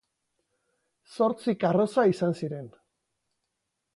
Zortzi karroza izan ziren.